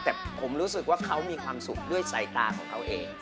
แต่ผมรู้สึกว่าเขามีความสุขด้วยสายตาของเขาเอง